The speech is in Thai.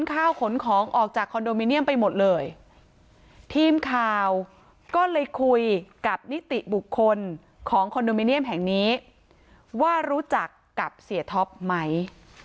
ก็เลยคุยกับนิติบุคคลของคอนโดมิเนียมแห่งนี้ว่ารู้จักกับเสียท็อปไหม